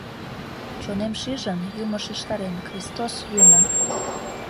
Чонем шижын, юмо шижтарен, Кристос юмо!